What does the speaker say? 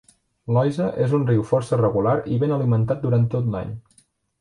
L'Oise és un riu força regular i ben alimentat durant tot l'any.